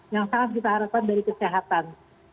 yang sangat kita harapkan dari kesehatan